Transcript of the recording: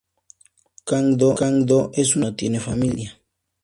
Kang-do es un hombre que no tiene familia.